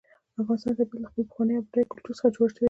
د افغانستان طبیعت له خپل پخواني او بډایه کلتور څخه جوړ شوی دی.